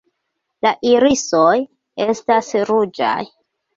La irisoj estas ruĝaj.